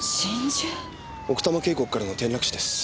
奥多摩渓谷からの転落死です。